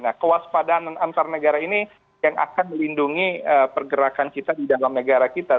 nah kewaspadaan antar negara ini yang akan melindungi pergerakan kita di dalam negara kita